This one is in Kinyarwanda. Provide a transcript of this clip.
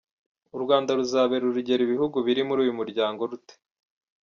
U Rwanda ruzabera urugero ibihugu biri muri uyu muryango rute?